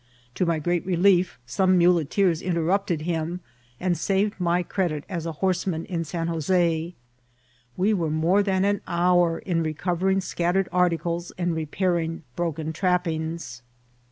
To my great relief, some muleteers intercepted him, and saved my credit as a horseman in San Jos6. We were more than an hour in recoYering scattered articles and repairing broken trappings.